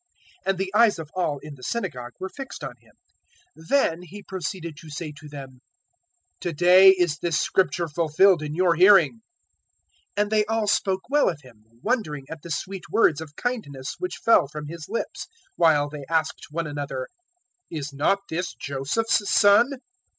And the eyes of all in the synagogue were fixed on Him. 004:021 Then He proceeded to say to them, "To day is this Scripture fulfilled in your hearing." 004:022 And they all spoke well of Him, wondering at the sweet words of kindness which fell from His lips, while they asked one another, "Is not this Joseph's son?"